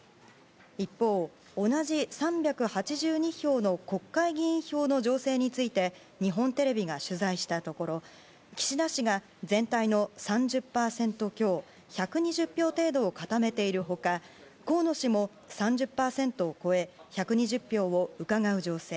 一方、同じ３８２票の国会議員票の情勢について日本テレビが取材したところ岸田氏が全体の３０％強１２０票程度を固めている他河野氏も３０％を超え１２０票をうかがう情勢。